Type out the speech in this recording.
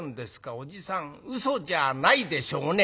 おじさん嘘じゃないでしょうね？